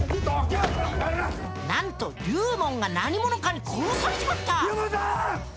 なんと龍門が何者かに殺されちまった！